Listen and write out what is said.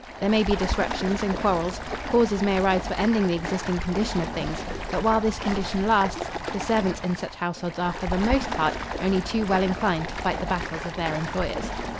There may be disruptions and quarrels; causes may arise for ending the existing condition of things; but while this condition lasts, the servants in such households are, for the most part, only too well inclined to fight the battles of their employers.